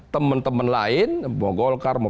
teman teman lain mau golkar mau